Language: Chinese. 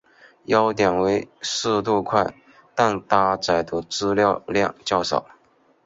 优点为速度快但搭载的资料量较少。